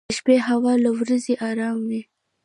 • د شپې هوا له ورځې ارام وي.